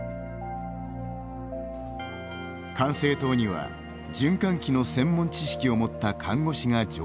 管制塔には、循環器の専門知識を持った看護師が常駐。